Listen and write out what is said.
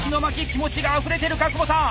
気持ちがあふれてるか久保さん！